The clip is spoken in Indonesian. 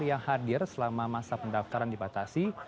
yang hadir selama masa pendaftaran dibatasi